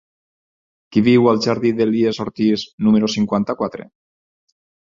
Qui viu al jardí d'Elies Ortiz número cinquanta-quatre?